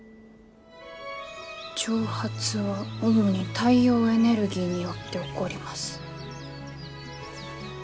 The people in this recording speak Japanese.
「蒸発は主に太陽エネルギーによって起こります」。